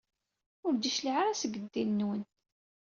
Ur d-cliɛeɣ ara seg ddin-nwen.